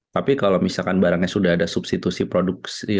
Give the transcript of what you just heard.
tapi kalau misalkan barangnya sudah ada substitusi produksi